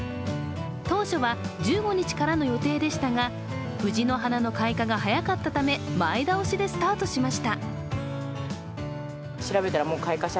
当初は１５日からの予定でしたが、藤の花の開花が早かったため前倒しでスタートしました。